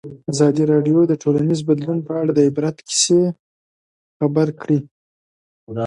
ازادي راډیو د ټولنیز بدلون په اړه د عبرت کیسې خبر کړي.